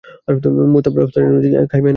মুড়া, পোলাউ রাইন্ধা থুইছি, খাইবেআনে মনের মতোন।